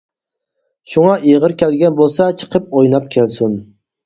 شۇڭا ئېغىر كەلگەن بولسا چىقىپ ئويناپ كەلسۇن.